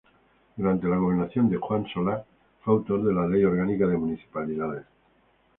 Durante la gobernación de Juan Solá fue autor de la Ley Orgánica de Municipalidades.